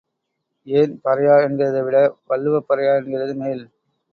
ஏன் பறையா என்கிறதைவிட வள்ளுவப் பறையா என்கிறது மேல்.